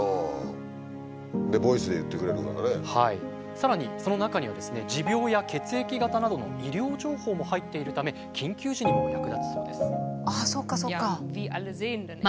さらにその中にはですね持病や血液型などの医療情報も入っているため緊急時にも役立つそうです。